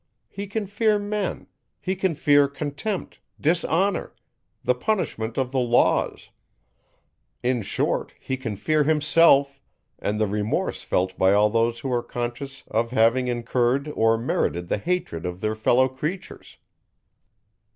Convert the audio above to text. He can fear men; he can fear contempt, dishonour, the punishment of the laws; in short, he can fear himself, and the remorse felt by all those who are conscious of having incurred or merited the hatred of their fellow creatures.